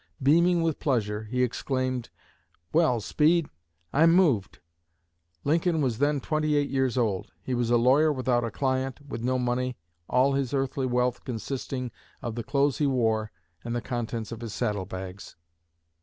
Beaming with pleasure, he exclaimed, 'Well, Speed, I'm moved!' Lincoln was then twenty eight years old. He was a lawyer without a client, with no money, all his earthly wealth consisting of the clothes he wore and the contents of his saddle bags."